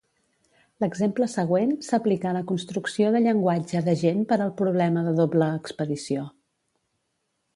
L"exemple següent s"aplica a la construcció de llenguatge d"agent per al problema de doble expedició.